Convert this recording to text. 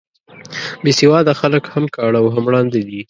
بې سواده خلک هم کاڼه او هم ړانده دي.